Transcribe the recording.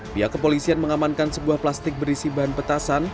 pihak kepolisian mengamankan sebuah plastik berisi bahan petasan